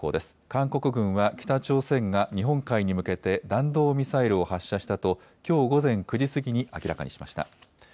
韓国軍は北朝鮮が日本海に向けて弾道ミサイルを発射したときょう午前９時過ぎに明らかにしました。